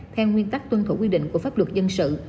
theo nguyên tắc tuân thủ quy định của pháp luật dân sự